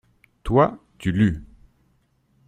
Toi, tu lus.